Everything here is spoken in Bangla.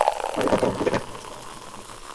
আমি কত খুঁজেপেতে নিয়ে আসবো, আর তুই সব ভেঙেচুবে রাখবি।